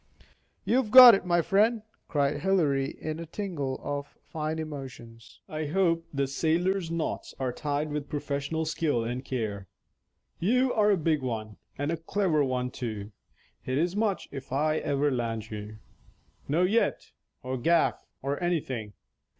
"You've got it, my friend," cried Hilary, in a tingle of fine emotions; "I hope the sailor's knots are tied with professional skill and care. You are a big one, and a clever one too. It is much if I ever land you. No net, or gaff, or anything.